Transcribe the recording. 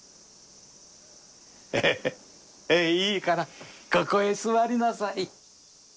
いいからここへ座りなさい。